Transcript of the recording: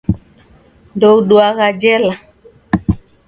Ndouduagha jela.